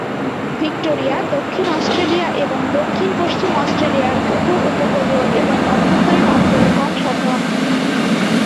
Victoria, দক্ষিণ Australia এবং দক্ষিণ-পশ্চিম অস্ট্রেলিয়ার উপ-উপকূলীয় এবং অভ্যন্তরীণ অঞ্চলে কম সাধারণ।